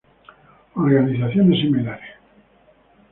Organizaciones similares.